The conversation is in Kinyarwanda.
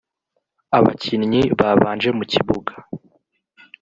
Abakinnyi babanje mu kibuga